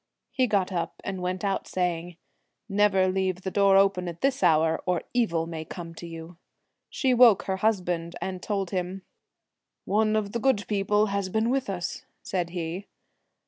He got up and went out, saying, ' Never leave the door open at this hour, or evil may come to you.' She woke her husband 26 and told him. ' One of the good people Village ,.& r r Ghosts, has been with us, said he.